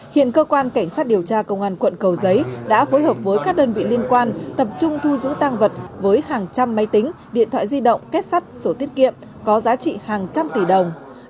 hiện cơ quan cảnh sát điều tra công an quận cầu giấy đã phối hợp với các đơn vị liên quan tập trung thu giữ tăng vật với hàng trăm máy tính điện thoại di động kết sắt sổ tiết kiệm có giá trị hàng trăm tỷ đồng